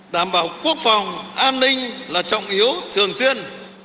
đảm bảo quốc phòng an ninh là trọng yếu thường xuyên